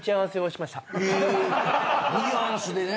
ニュアンスでね。